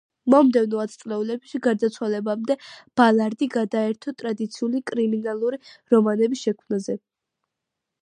მომდევნო ათწლეულებში, გარდაცვალებამდე, ბალარდი გადაერთო ტრადიციული კრიმინალური რომანების შექმნაზე.